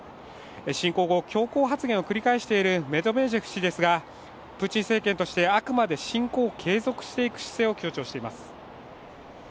侵攻後、強硬発言を繰り返しているメドベージェフ氏ですが、プーチン政権としてあくまで侵攻を継続していく姿勢を強調しています。